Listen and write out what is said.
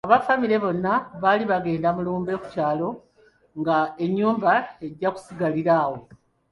Aba famire bonna baali bagenda mu lumbe mu kyalo nga ennyumba ejja kusigalirawo.